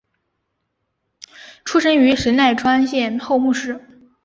出身于神奈川县厚木市。